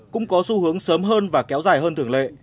cũng có xu hướng sớm hơn và kéo dài hơn thường lệ